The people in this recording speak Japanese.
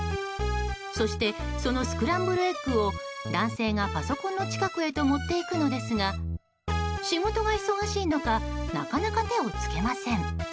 そしてそのスクランブルエッグを男性がパソコンの近くへと持っていくのですが仕事が忙しいのかなかなか手を付けません。